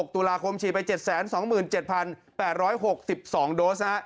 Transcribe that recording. ตุลาคมฉีดไป๗๒๗๘๖๒โดส